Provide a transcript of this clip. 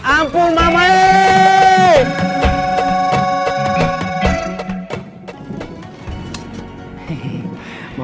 ampun mama e